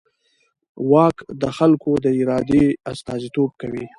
واک د خلکو د ارادې استازیتوب کوي.